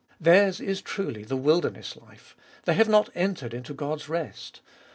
Theirs is truly the wilderness life — they have not entered into God's rest.